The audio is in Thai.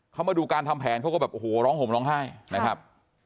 เขามาดูการทำแผนเขาก็แบบโอ้โหร้องห่มร้องไห้นะครับ